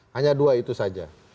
hanya dua itu saja